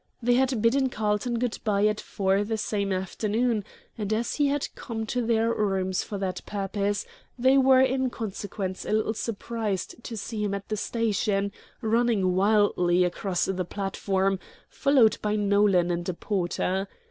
They had bidden Carlton goodbye at four the same afternoon, and as he had come to their rooms for that purpose, they were in consequence a little surprised to see him at the station, running wildly along the platform, followed by Nolan and a porter.